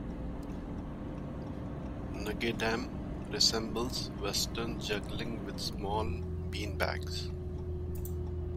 Nagedama resembles western juggling with small bean bags.